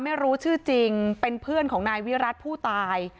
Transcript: ไม่รู้ชื่อจริงเป็นเพื่อนของนายวิรัติผู้ตาย